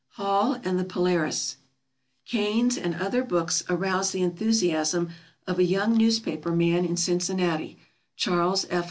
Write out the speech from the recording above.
Hall and the "Polaris" Kane's and other books aroused the enthusiasm of a young newspaper man in Cincinnati, Charles F.